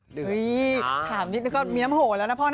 เฮ้ยถามนิดนึงก็มีน้ำโหแล้วนะพ่อนะ